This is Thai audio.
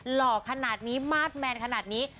หล่อขนาดนี้มาสแมนขนาดนี้